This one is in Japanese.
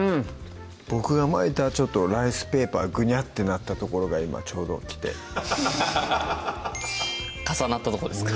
僕が巻いたライスペーパーグニャッてなった所が今ちょうど来て重なったとこですか？